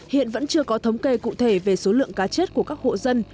hiện vẫn chưa có thống kê cụ thể về số lượng cá chết của các hộ dân